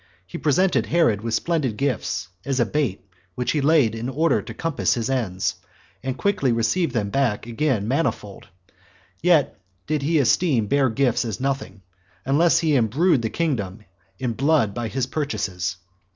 He presented Herod with splendid gifts, as a bait which he laid in order to compass his ends, and quickly received them back again manifold; yet did he esteem bare gifts as nothing, unless he imbrued the kingdom in blood by his purchases.